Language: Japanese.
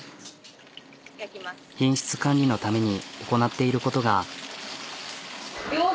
品質管理のために行なっていることが。